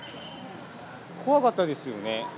怖かったですよね。